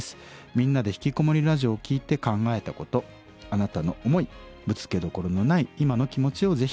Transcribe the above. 「みんなでひきこもりラジオ」を聴いて考えたことあなたの思いぶつけどころのない今の気持ちをぜひ送って下さい。